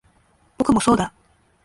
僕もそうだ